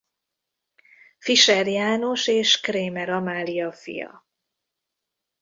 Fischer János és Kramer Amália fia.